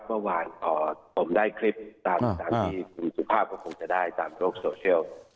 เมื่อวานผมได้คลิปตามที่คุณสุภาพก็คงจะได้ตามโลกโซเชียล